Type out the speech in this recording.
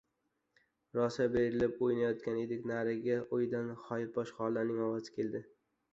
Rosa berilib o‘ynayotgan edik, narigi uydan Xolposh xola- ning ovozi keldi.